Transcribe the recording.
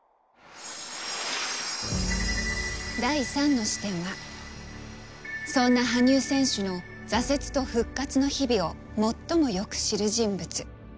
第３の視点はそんな羽生選手の挫折と復活の日々を最もよく知る人物。